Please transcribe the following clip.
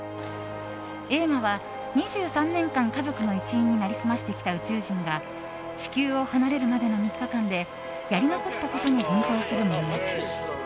映画は２３年間、家族の一員になりすましてきた宇宙人が地球を離れるまでの３日間でやり残したことに奮闘する物語。